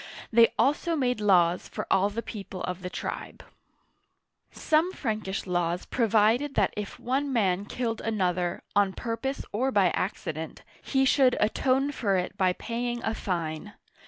They also made laws for all the people of the tribe. Some Frankish laws provided that if one man killed an other, on purpose or by accident, he should atone for it by paying a fine.